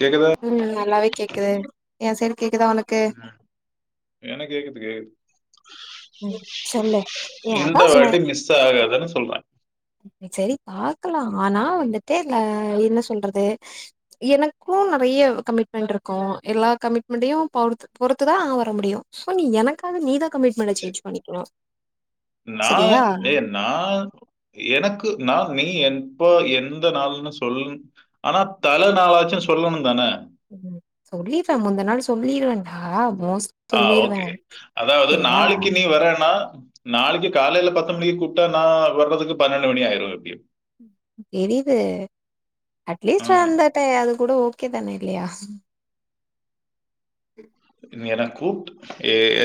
கேக்குதா ம் நல்லாவே கேக் குது ஏ சேரி ம் எனக்கு கேக்குது கேக்குது ம் சொல்லு ஏ அதா இந்த சொன்னே வாட்டி மிஸ் ஆகாதுன்னு சொல்றே செரி பாக்கலா ஆனா வந்துட்டு இ என்ன சொல்றது எனக்கு நெறய கமிட்மெண்ட் இருக்கு எல்லா கமிட்மெண்டையு பொறுத்துதா வர முடியு சோ நீ எனக்காவது நீதா கமி சேஞ்சு பண்ணிக்கிறோ நா ஏ நா எனக்கு நா நீ என் இப்ப எந்த நாள்ன்னு சொல் ஆனா தல நாளாச்சுனு சொல்லணு தான சொல்லிருவே முந்தா நாள் சொல்லிருவேன்டா மோஸ்ட் ஆ சொல்லிருவே ஓகே அதாவது சரியா நாளைக்கு நீ வரேன்னா நாளைக்கு காலேயில பத்து மணிக்கு கூப்ட்டா நா வர்றதுக்கு பன்னெண்டு மணி ஆயிடு எப்டி தெரியுது அட்லீஸ்ட்டு ம், வந்த அது டை அது கூட ஓகே தானே இல்லையா என கூப்ப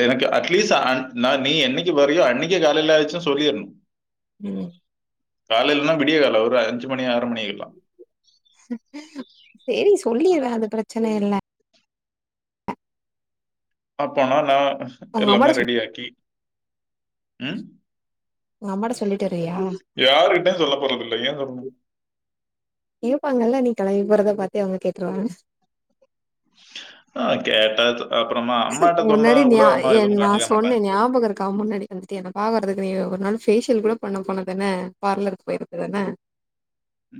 எனக்கு அட்லீஸ்ட் நீ என்னைக்கு வரயோ அன்னைக்கு காலேயில ஆச்சுன்னு சொல்லிடணு உம் காலேலன்னா விடிய கால ஒரு அஞ்சு மணி ஆறு மணிக்கு எல்லா சேரி சொல்லீறே அது பிரச்சன இல்ல அப்பனா நா உங்க எல்லாமே அம்மாட்ட ரெடியாக்கி ம் உங்க அம்மாட்ட சொல்லிட்டு வரியா யாருகிட்ட சொல்ல போறதல்ல ஏ சொல்லணு இருப்பாங்கல்ல நீ கெலம்பி போறத பாத்தே அவுங்க கேட்ருவாங்க ஆ கேட்டா அப்புறமா அம்மாட்ட சொன்னா முன்னாடி கூட அம்மா எதுவும் நா கண்டுக்க சொன்னே மாட்டேன் ஞாபக இருக்கா முன்னாடி வந்துட்டு என பாக்குறது ஒரு நாள் பேஷியல் கூட பண்ண போனதான பார்லருக்கு போயிருக்கதான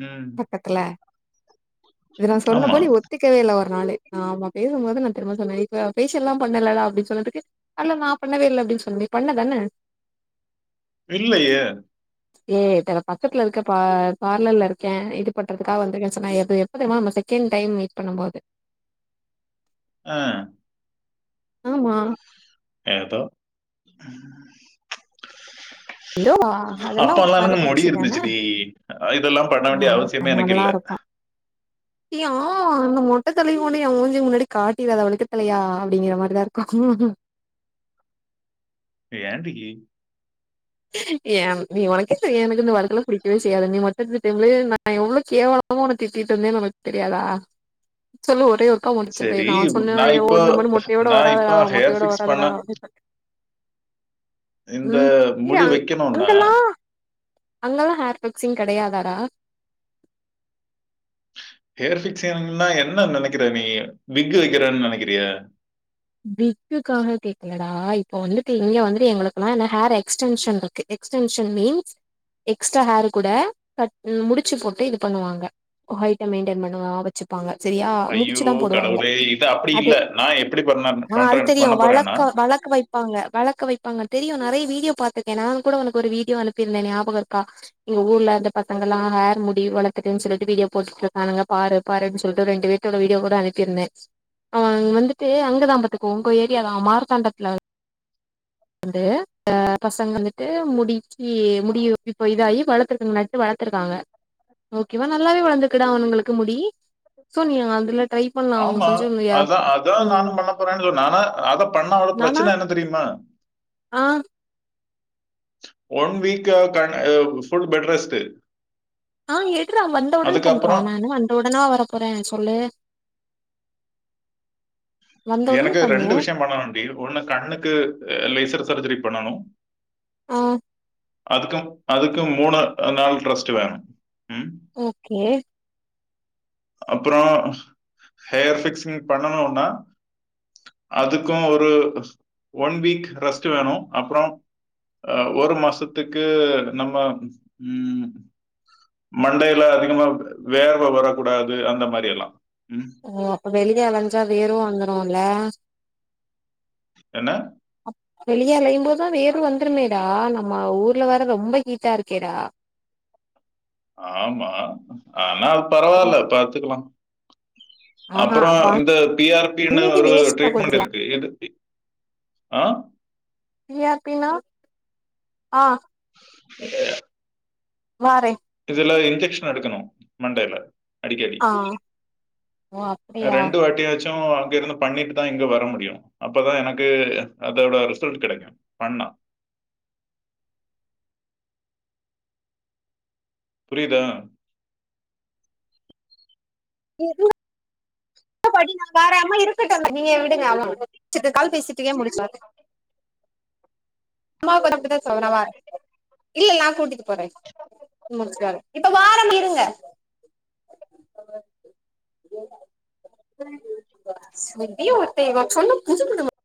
ம் பக்கத்ல இது நா ஆமா சொன்னப்ப நீ ஒத்திக்கவே இல்ல அதனாலே நா ஆமா பேசும்போது நா திரும்ப சொன்னே இப்ப ஸ்பேஷியல்லா பண்ணேலடா அப்டின்னு சொன்னதுக்கு அல்ல நா பண்ணவே இல்ல அப்டின்னு சொன்ன நீ பண்ணதான இல்லயே ஏ பக்கத்ல இருக்கே பா பார்லர்ல இருக்கே இது பண்றதுக்காக வந்திருக்கே சொன்னா எ எப்ப தெரிமா நம்ம செகண்ட் டைம் மீட் பண்ணும் போது ஆ ஆமா ஏதோ ஏதோ அதெல்லா ஒரு அப்பல்லாந்து மரபு எனக்கு முடி வச்சுதான இருந்துச்சுடி இதெல்லா பண்ண வேண்டிய அவசியமே எனக்கு இல்ல ஏயா அந்த மொட்ட தலய கொண்டு எ மூஞ்சிக்கு முன்னாடி காட்டிறாத வழுக்கத்தலையா அப்டிங்கிற மாரிதா இருக்கு ஏண்டக்கி ஏ நீ உனக்கே தெரியு எனக்கு இந்த வாழுக்கல்லா புடிக்கவே செய்யாதுனு நீ மொட்ட எடுத்த டைம்லே நா எவ்வளவு கேவலமா உன்ன திட்டிட்டு இருந்தே ஒனக்கு தெரியாதா சொல்லு ஒரே ஒரு அக்கா முடிச்சதே சரி நா சொன்னே நான் ஏ ஓ இப்போ இந்த மாரி மொட்டையோட நான் இப்போ வராதாடா ஹேர் மொட்டையோட ஃபிக்ஸ் பண்ண வராதடா அப்டினு சொன்னே இந்த இய முடி அ வைக்கணும்னா அங்கலா அங்கெல்லா ஹேர் பிக்சிங் கெடயாதாடா ஹேர் பிக்ஸ்ண்னா என்ன நெனக்குற நீ விக்கு வெக்குறதுன்னு நெனக்குறியா விக்குக்காக கேக்கலடா இப்போ வந்துட்டு இங்க வந்துட்டு எங்களுக்கெலா ஹேர் எக்ஸ்டென்ஷன் இருக்கு எக்ஸ்டென்ஷன் மீன்ஸ் எக்ஸ்ட்ரா ஹேர் கூட கட் முடிச்சு போட்டு இது பண்ணுவாங்க ஹைட்ட மெயின்டென் பண்ணுவ வச்சுப்பாங்க சரியா ஐயோ முடிச்சுதா போடுவாங்க கடவுளே இத அப்டி அது இல்ல நா எப்டி பண்ணா ஆ அது தெரியு வளக்க வளக்க வைப்பாங்க வளக்க வைப்பாங்க தெரியு நெறய வீடியோ பத்துருக்கே நா கூட ஒனக்கு ஒரு வீடியோ அனுப்பி இருந்தே ஞாபாக இருக்கா எங்க ஊர்ல அந்த பசங்கல்லா ஹேர் முடி வளத்துட்டுனு சொல்லிட்டு வீடியோ போட்டுகிட்டு இருக்கானுங்க பாரு பாருன்னு சொல்லிட்டு ரெண்டு பேத்தோட வீடியோ கூட அனுப்பி இருந்தே ஆ வந்துட்டு அங்கதா அக்கு ஒங்க ஏறியா அது மார்தாண்டத்துல வந்து ஆ பசங்க வந்துட்டு முடிக்கி முடி இப்ப இதாகி வளர்த்துருக்காங்க நட்டு வளர்த்துருக்காங்க ஓகேவா நல்லாவே வளந்துக்குடா அவனுங்களுக்கு முடி சோ நீ அதுல ட்ரை பண்லா அவங்க ஆமா கொஞ்சோ அதா அதா ம் நானு பண்ண போறேன்னு சொன்னே ஆனா அதா பண்ணா நானா பிரச்சன என்ன தெரியுமா ஆ ஒன் வீக் ல் ஃபுல் பெட் ரெஸ்டு ஆ எட்றா வந்த ஒடனே பண்றா நா என்ன வந்த ஒடனவா வர போறே சொல்லு வந்த உடனே எனக்கு பண்ணு ரெண்டு விஷயோ பண்ணணுன்டி ஒன்னு கண்ணுக்கு லேசர் சர்ஜரி பண்ணணு ஆ அதுக்கும் அதுக்கும் மூனு நாள் ட்ரஸ்டு வேணு ஓகே அப்றோ ஹேர் ஃபிக்சிங் பண்ணனுனா அதுக்கு ஒரு ஒன் வீக் ரெஸ்டு வேணு அப்றோ ஒரு மாசத்துக்கு நம்ம மண்டையில அதிகமா வேர்வ வர கூடாது அந்த மாரி எல்லா ஓ அப்ப வெளிய அலஞ்சா வேர்வ வந்துரு வந்ருல்ல என்ன வெளிய அலையும் போது வேர்வ வந்துருமேடா நம்ம ஊர்ல வேற ரொம்ப ஹீட்டா இருக்கேடா ஆமா ஆனா பரவால்ல பாத்துக்கலா ஆஹா அப்பறோ பா இந்த பி ஆர் பி னு தண்ணிக்கு ஒரு வேஸ்ட் பண்ண ட்ரீட்மென்ட் கூடாதுடா இருக்கு இதுக்கு ஆ பி ஆர் பி னா ஆ வாரே இல்ல இன்ஜெக்ஷன் எடுக்கணு மண்டைல அடிக்கடி ஆ ஓ ஆ அப்டியா ரெண்டு வாட்டியாச் சு அங்க இருந்து பண்ணிட்டுதா இங்க வர முடியு அப்பதா எனக்கு அதோட ரிசல்ட் கெடைக்கு பண்ணா புரியுதா? [inaudible] சேரி இது கால் பேசிட்டீக [inaudible] இல்ல இல்ல நா கூட்டிட்டு [inaudible] இப்ப வாரம் இருங்க [unintelligible]